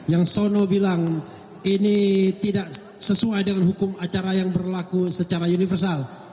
yang sono bilang ini tidak sesuai dengan hukum acara yang berlaku secara universal